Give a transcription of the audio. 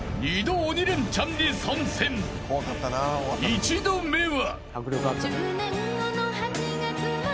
［１度目は］